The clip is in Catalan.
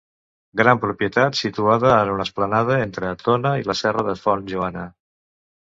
Gran propietat situada en una esplanada entre Tona i la Serra de Font Joana.